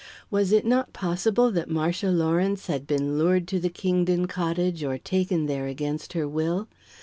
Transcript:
Was it not possible that Marcia Lawrence had been lured to the Kingdon cottage or taken there against her will?